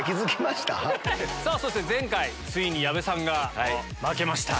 そして前回ついに矢部さんが負けました。